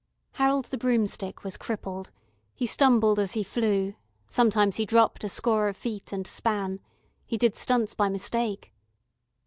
Harold the Broomstick was crippled, he stumbled as he flew, sometimes he dropped a score of feet, and span. He did stunts by mistake.